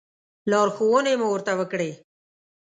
لارښوونې مو ورته وکړې.